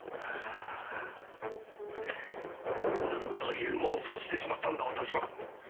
なんという妄想をしてしまったんだ私は！